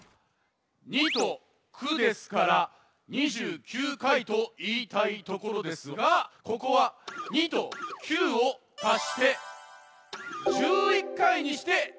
２と９ですから２９かいといいたいところですがここは２と９をたして１１かいにしてさしあげます。